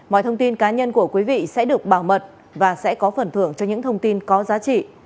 mọi thông tin cá nhân của quý vị sẽ được bảo mật và sẽ có phần thưởng cho những thông tin có giá trị